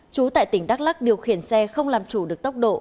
chú tại tỉnh đắk lắc điều khiển xe không làm chủ được tốc độ